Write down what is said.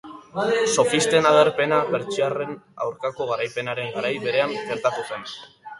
Sofisten agerpena pertsiarren aurkako garaipenaren garai berean gertatu zen.